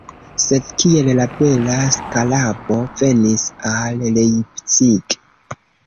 Sed kiel la bela skarabo venis al Leipzig?